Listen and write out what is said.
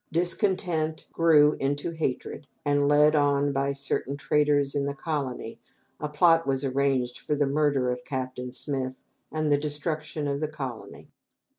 Discontent grew into hatred and, led on by certain traitors in the colony, a plot was arranged for the murder of Captain Smith and the destruction of the colony.